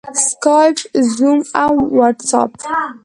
سکایپ، زوم او واټساپ